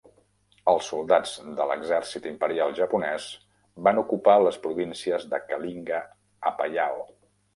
Els soldats de l'exèrcit imperial japonès van ocupar les províncies de Kalinga-Apayao.